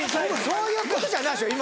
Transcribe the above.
そういうことじゃないでしょ